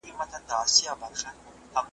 چي اصلي فساد له تا خیژي پر مځکه `